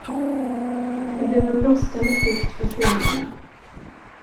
Det blev en brådskande flykt för fåglarna.